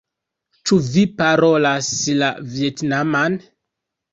Ĉu vi parolas la vjetnaman?